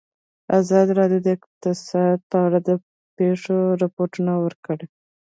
ازادي راډیو د اقتصاد په اړه د پېښو رپوټونه ورکړي.